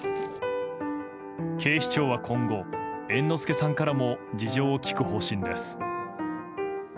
警視庁は、今後猿之助さんからも事情を聴く方針です。